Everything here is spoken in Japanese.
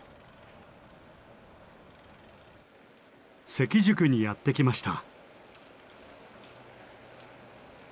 関宿にやって来ました。